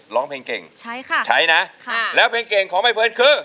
ร้องเพลงเก่งใช้นะแล้วเพลงเก่งของไม่เฟือนคือ